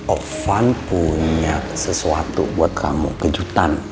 ovan punya sesuatu buat kamu kejutan